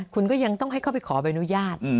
คุณก็ยังต้องให้เข้าไปขอใบอนุญาต